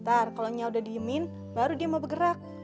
ntar kalo nyat udah diemin baru dia mau bergerak